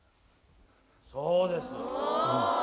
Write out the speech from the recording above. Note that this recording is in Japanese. そうです。